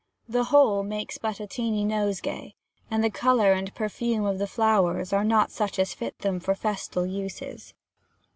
The whole makes but a tiny nosegay, and the colour and perfume of the flowers are not such as fit them for festal uses.